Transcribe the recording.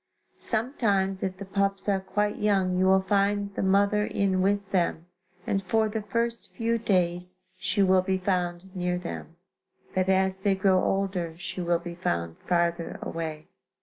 Sometimes if the pups are quite young you will find the mother in with them and for the first few days she will be found near them, but as they grow older she will be found farther away.